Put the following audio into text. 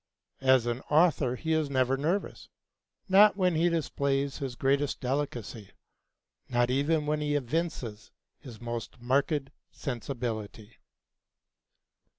As an author he is never nervous, not when he displays his greatest delicacy, not even when he evinces his most marked sensibility.